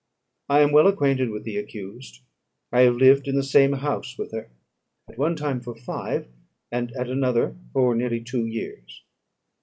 I am well acquainted with the accused. I have lived in the same house with her, at one time for five, and at another for nearly two years.